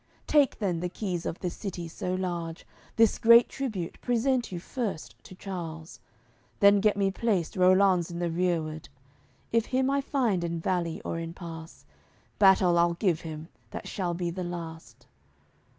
Take then the keys of this city so large, This great tribute present you first to Charles, Then get me placed Rollanz in the rereward. If him I find in valley or in pass, Battle I'll give him that shall be the last."